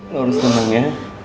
lo harus tenang ya